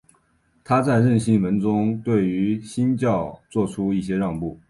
他在认信文中对于新教做出一些让步。